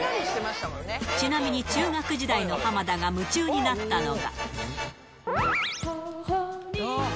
ちなみに中学時代の浜田が夢中になったのが。